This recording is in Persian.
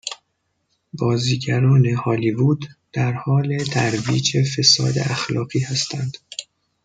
بازیگران هالیوود در حال ترویج فساد اخلاقی هستند